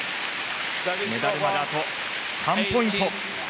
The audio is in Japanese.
メダルまで、あと３ポイント。